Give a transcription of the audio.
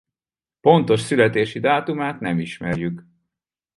Pontos születési dátumát nem ismerjük.